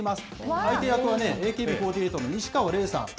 相手役は、ＡＫＢ４８の西川怜さん。